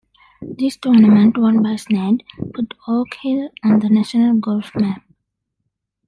This tournament, won by Snead, put Oak Hill on the national golf map.